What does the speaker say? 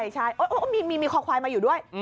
ใช่มีคอควายมาอยู่ด้วย